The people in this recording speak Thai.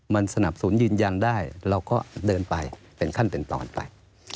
มันสนับสนุนยืนยันได้เราก็เดินไปเป็นขั้นเป็นตอนไป